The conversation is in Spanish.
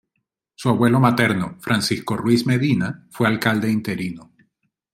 Su abuelo materno, Francisco Ruiz Medina, fue alcalde interino.